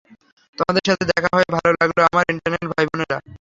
তোমাদের সাথে দেখা হয়ে ভালো লাগল, আমার ইটারনাল ভাই-বোনেরা।